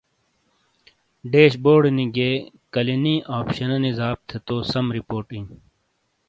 ڈیش بورڈینی گِئیے "کلیانی" آپشنانی زاب تھے تو سَم رپورٹ اِئیں۔